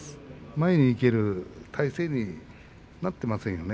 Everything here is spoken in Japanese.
前にいける体勢になっていませんよね。